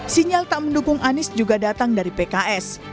sinyal tak mendukung anies juga datang dari pks